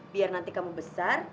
biar nanti kamu besar